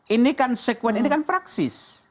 ini kan sekuen ini kan praksis